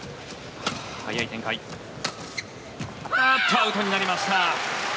アウトになりました。